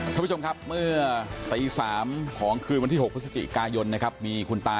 ควรเมื่อตี๓ของคืนวันที่๖พฤษจีกายนนะครับมีคุณตา